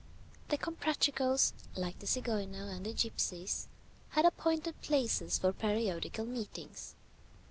The Comprachicos, like the Zigeuner and the Gipsies, had appointed places for periodical meetings.